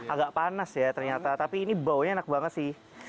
agak panas ya ternyata tapi ini baunya enak banget sih